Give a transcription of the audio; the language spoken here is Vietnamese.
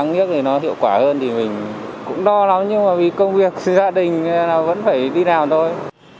nắng nhất thì nó hiệu quả hơn thì mình cũng no lắm nhưng mà vì công việc gia đình là vẫn phải đi nào thôi